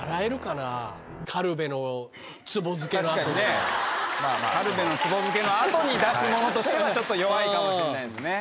軽部のつぼ漬けの後に出すものとしてはちょっと弱いかもしれないですね。